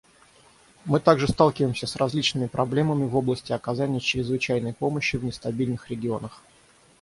Мы также сталкиваемся с различными проблемами в области оказания чрезвычайной помощи в нестабильных регионах.